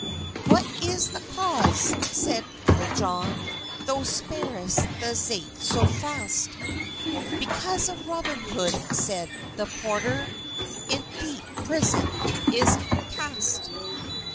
"What is the cause," seid Litul John, "Thou sparris the zates so fast?" "Because of Robyn Hode," seid [the] porter, "In depe prison is cast.